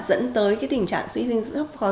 dẫn tới tình trạng suy dinh dưỡng thấp còi